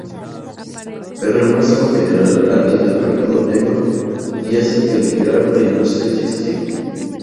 Pero el Máximo General alienta el mercado negro y hace peligrar la industria textil.